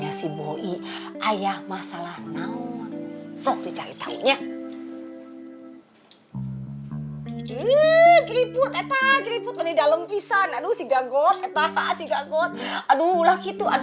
aduh lah gitu aduh